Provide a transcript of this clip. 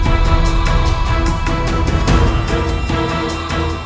sampai ketemu lagi